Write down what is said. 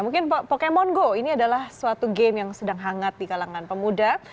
mungkin pokemon go ini adalah suatu game yang sedang hangat di kalangan pemuda